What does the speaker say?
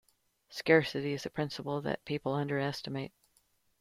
Scarcity is a principle that people underestimate.